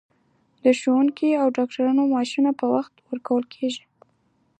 د ښوونکو او ډاکټرانو معاشونه په وخت ورکول کیږي.